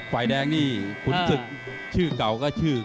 ฝ่ายแดงนี่ขุนศึกชื่อเก่าก็ชื่อ